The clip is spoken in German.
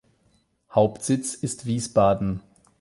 Hauptsitz ist Wiesbaden.